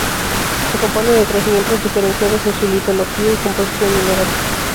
Se compone de tres miembros diferenciados en su litología y composición mineral.